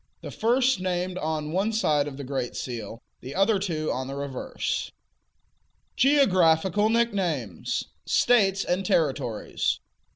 The first named on one side of the great seal, the other two on the reverse. GEOGRAPHICAL NICKNAMES. States and Territories.